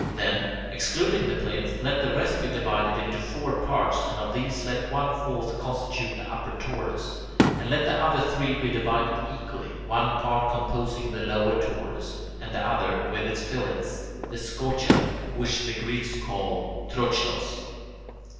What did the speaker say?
Then, excluding the plinth, let the rest be divided into four parts, and of these let one fourth constitute the upper torus, and let the other three be divided equally, one part composing the lower torus, and the other, with its fillets, the scotia, which the Greeks call [Greek: trochilos].